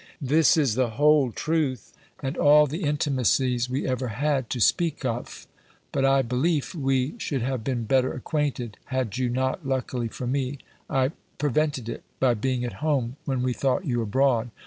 "This is the whole truthe, and all the intimasies we ever hadde, to speake off. But I beleefe we should have been better acquainted, hadd you nott, luckily for mee! prevented itt, by being at home, when we thought you abroad.